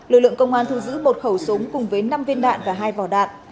lực lượng công an thu giữ một khẩu súng cùng với năm viên đạn và hai vỏ đạn